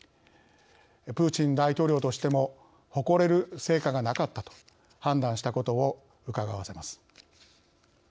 プーチン大統領としても誇れる「成果」がなかったと判断したことをうかがわせます。